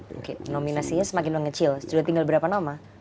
oke nominasinya semakin mengecil sudah tinggal berapa nama